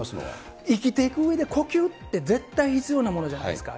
生きていくうえで呼吸って絶対必要なものじゃないですか。